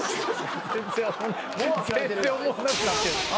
もう全然おもんなくなってる。